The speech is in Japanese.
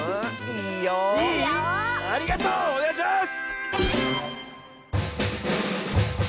いい⁉ありがとう！おねがいします！